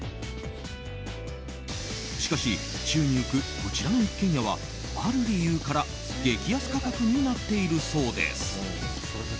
しかし宙に浮くこちらの一軒家はある理由から激安価格になっているそうです。